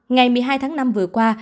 ngày một mươi hai tháng năm vừa qua